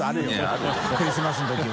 △襪茵クリスマスの時は。